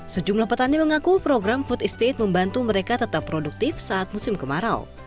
sejumlah petani mengaku program food estate membantu mereka tetap produktif saat musim kemarau